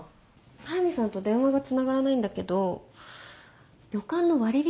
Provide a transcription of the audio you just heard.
速見さんと電話がつながらないんだけど旅館の割引